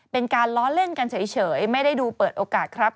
เป็นการล้อเล่นกันเฉยไม่ได้ดูเปิดโอกาสครับ